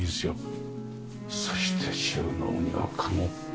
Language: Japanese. そして収納には籠。